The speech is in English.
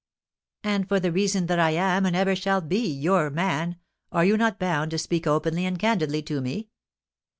'" "And for the reason that I am and ever shall be 'your man,' are you not bound to speak openly and candidly to me?"